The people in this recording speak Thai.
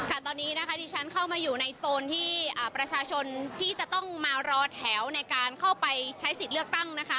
อันนี้เข้ามาอยู่ในโซนที่ประชาชนจะต้องมารอแถวในการใช้สิทธิ์แล้วก็ตั้ง